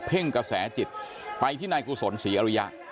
่งกระแสจิตไปที่นายกุศลศรีอริยะ